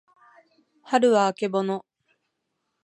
はるはあけぼの